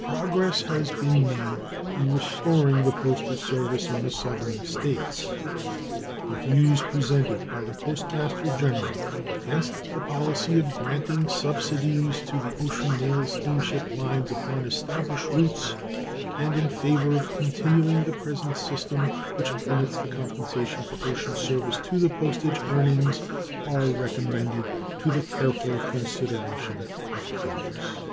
Progress has been made in restoring the postal service in the Southern States. The views presented by the Postmaster General against the policy of granting subsidies to the ocean mail steamship lines upon established routes and in favor of continuing the present system, which limits the compensation for ocean service to the postage earnings, are recommended to the careful consideration of Congress.